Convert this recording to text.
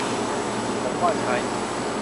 ผมว่าใช้